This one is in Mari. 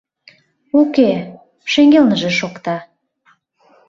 Уке, шеҥгелныже шокта.